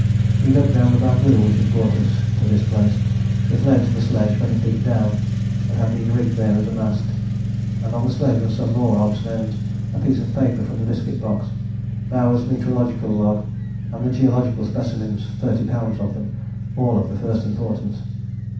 We dug down the bamboo which had brought us to this place. It led to the sledge, many feet down, and had been rigged there as a mast. And on the sledge were some more odds and ends a piece of paper from the biscuit box: Bowers' meteorological log: and the geological specimens, thirty pounds of them, all of the first importance.